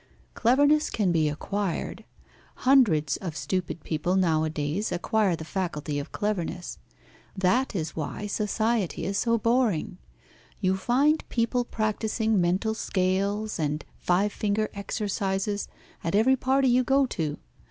Cleverness can be acquired. Hundreds of stupid people nowadays acquire the faculty of cleverness. That is why society is so boring. You find people practising mental scales and five finger exercises at every party you go to.